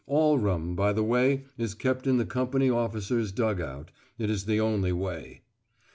(All rum, by the way, is kept in the company officer's dug out; it is the only way.)